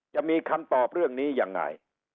จะมีคำตอบเรื่องนี้ยังไง